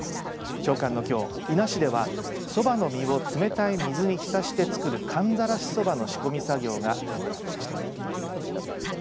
小寒のきょう、伊那市ではそばの実を冷たい水に浸して作る寒ざらしそばの仕込み作業が行われました。